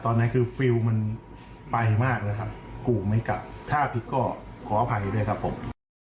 ตอนนั้นคือฟิลล์มันไปมากแล้วครับกูไม่กลับถ้าผิดก็ขออภัยด้วยครับผม